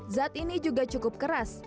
zat ini juga cukup keras